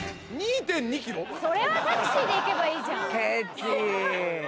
それはタクシーで行けばいいじゃん。